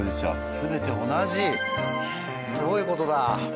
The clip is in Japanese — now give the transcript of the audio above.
全て同じ！どういう事だ！